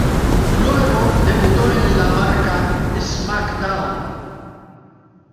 Luego, debutó en la marca "SmackDown!